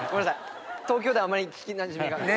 東京ではあまり聞きなじみが。